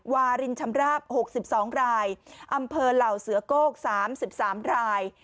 วารินชำราบ๖๒รายอำเภอเหล่าเสือโก้๓๓ราย